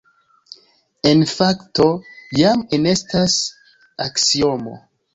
En fakto, jam enestas aksiomo.